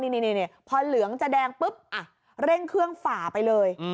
นี่พอเหลืองจะแดงปุ๊บเร่งเครื่องฝ่าไปเลย